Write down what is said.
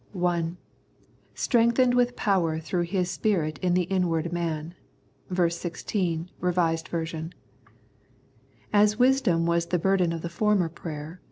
(i) " Strengthened with power through His Spirit in the inward man " (ver. 16, R.V.). As wisdom was the burden of the former prayer (ch.